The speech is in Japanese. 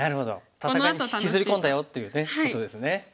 戦いに引きずり込んだよということですね。